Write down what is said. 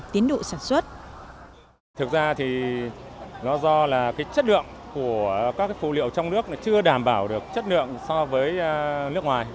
thực ra thì nó do là cái chất lượng của các phụ liệu trong nước chưa đảm bảo được chất lượng so với nước ngoài